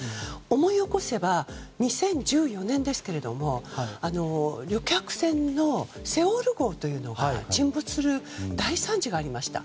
思い起こせば２０１４年、旅客船の「セウォル号」というのが沈没する大惨事がありました。